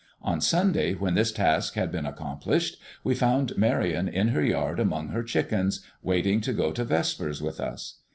On Sunday when this task had been accomplished, we found Marion in her yard among her chickens, waiting to go to vespers with us.